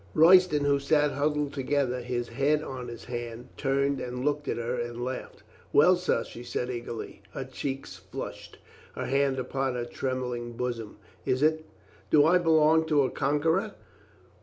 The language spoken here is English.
Royston, who sat huddled together, his head on his hand, turned and looked at her and laughed. "Well, sir?" she said eagerly, her cheeks flushed, her hand upon her trembling bosom. "Is it — do I belong to a conqueror?"